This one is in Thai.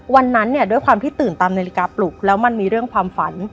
วันนั้นเนี่ยด้วยความที่ตื่นตามนาฬิกาปลุกแล้วมันมีเรื่องความฝัน